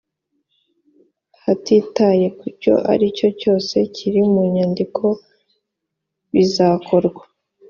hatitaye ku cyo ari cyo cyose kiri mu nyandiko bizakorwa